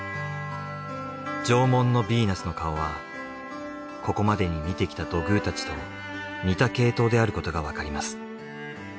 『縄文のビーナス』の顔はここまでに見てきた土偶たちと似た系統であることがわかります。